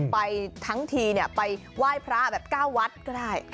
ไปทั้งทีไปไหว้พระแบบ๙วัดก็ได้